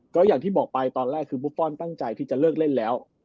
ก็อย่างที่บอกไปตอนแรกคือบุฟฟอลตั้งใจที่จะเลิกเล่นแล้ว